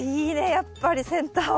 やっぱりセンターは。